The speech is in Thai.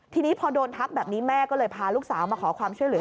ทีนี้พอโดนทักแบบนี้แม่ก็เลยพาลูกสาวมาขอความช่วยเหลือ